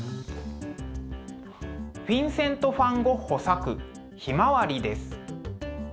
フィンセント・ファン・ゴッホ作「ひまわり」です。